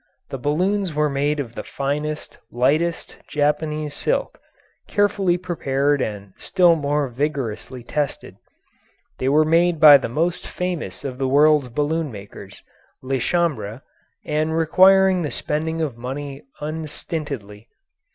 The balloons were made of the finest, lightest Japanese silk, carefully prepared and still more vigorously tested. They were made by the most famous of the world's balloon makers, Lachambre, and required the spending of money unstintedly.